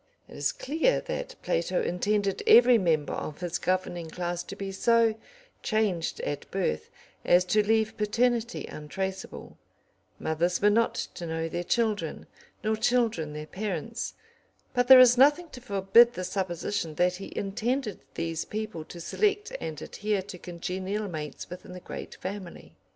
It is clear that Plato intended every member of his governing class to be so "changed at birth" as to leave paternity untraceable; mothers were not to know their children, nor children their parents, but there is nothing to forbid the supposition that he intended these people to select and adhere to congenial mates within the great family.